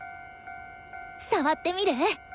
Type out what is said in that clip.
触ってみる？